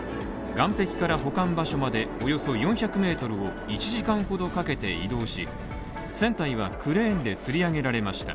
岸壁から保管場所までおよそ４００ｍを１時間ほどかけて移動し、船体はクレーンでつり上げられました。